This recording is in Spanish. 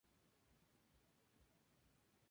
Es un actor español.